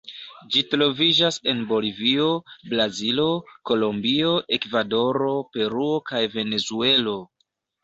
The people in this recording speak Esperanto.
Ĝi troviĝas en Bolivio, Brazilo, Kolombio, Ekvadoro, Peruo kaj Venezuelo.